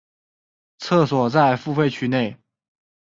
厕所在付费区内。